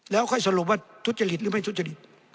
แล้วค่อยสรุปว่าทุจริตหรือไม่ทุจริต